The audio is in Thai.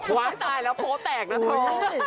หวานตายแล้วโพสต์แตกนะทอง